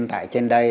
tại trên đây